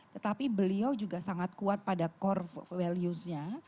tetapi beliau juga sangat kuat pada core valuesnya